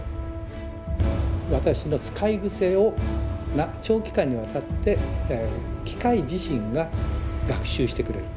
私の使い癖を長期間にわたって機械自身が学習してくれる。